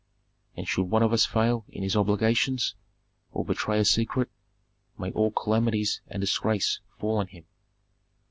"And should one of us fail in his obligations, or betray a secret, may all calamities and disgrace fall on him!